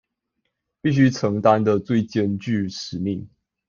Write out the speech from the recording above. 必須承擔的最艱鉅使命